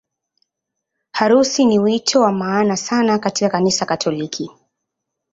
Harusi ni wito wa maana sana katika Kanisa Katoliki.